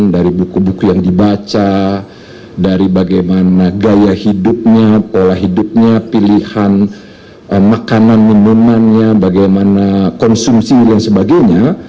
dari buku buku yang dibaca dari bagaimana gaya hidupnya pola hidupnya pilihan makanan minumannya bagaimana konsumsi dan sebagainya